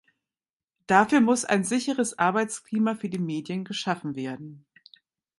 Dafür muss ein sichereres Arbeitsklima für die Medien geschaffen werden.